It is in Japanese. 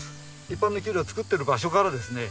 一般のキュウリを作っている場所からですね